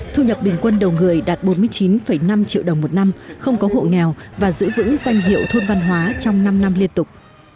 thu nhập bình quân đầu người đạt bốn mươi chín năm triệu đồng một năm không có hộ nghèo và giữ vững danh hiệu thôn văn hóa trong năm năm liên tục